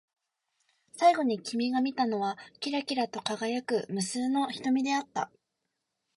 最後に君が見たのは、きらきらと輝く無数の瞳であった。